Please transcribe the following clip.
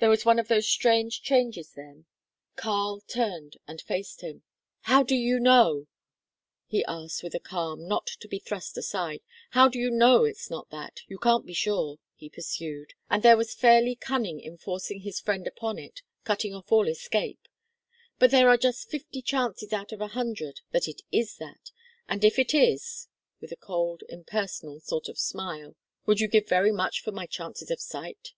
There was one of those strange changes then. Karl turned and faced him. "How do you know?" he asked, with a calm not to be thrust aside. "How do you know it's not that? You can't be sure," he pursued, and there was fairly cunning in forcing his friend upon it, cutting off all escape, "but there are just fifty chances out of a hundred that it is that. And if it is," with a cold, impersonal sort of smile "would you give very much for my chances of sight?"